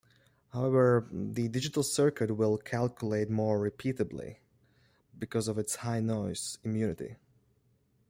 However, the digital circuit will calculate more repeatably, because of its high noise immunity.